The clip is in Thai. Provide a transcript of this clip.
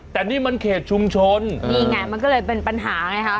แต่นี่มันเขตชุมชนนี่ไงมันก็เลยเป็นปัญหาไงคะ